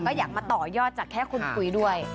ก็อยากมาต่อยอดจากแค่คุณคุยด้วย